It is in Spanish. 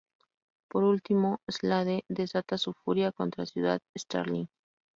Por último, Slade desata su furia contra Ciudad Starling.